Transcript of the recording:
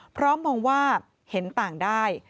พร้อมมองว่าเห็นต่างได้